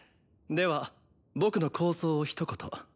では僕の構想を一言。